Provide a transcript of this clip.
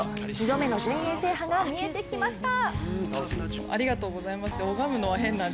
２度目の全英制覇が見えてきました